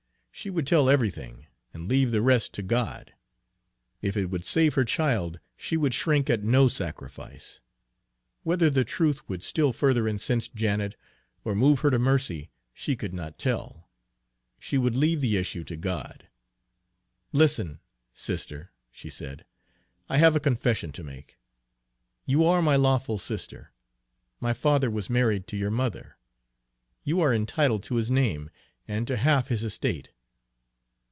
She would tell everything, and leave the rest to God. If it would save her child, she would shrink at no sacrifice. Whether the truth would still further incense Janet, or move her to mercy, she could not tell; she would leave the issue to God. "Listen, sister!" she said. "I have a confession to make. You are my lawful sister. My father was married to your mother. You are entitled to his name, and to half his estate."